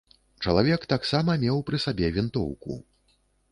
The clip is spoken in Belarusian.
Чалавек таксама меў пры сабе вінтоўку.